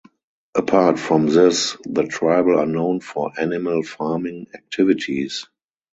Apart from this the tribal are known for animal farming activities.